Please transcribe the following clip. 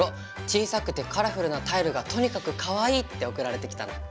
小さくてカラフルなタイルがとにかくかわいいって送られてきたんだ。